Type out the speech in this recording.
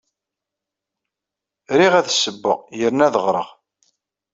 Riɣ ad ssewweɣ yernu ad ɣreɣ.